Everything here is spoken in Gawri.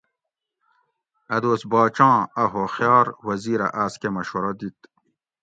ا دوس باچاں ا ہوخیار وزیرہ آس کہ مشورہ دیت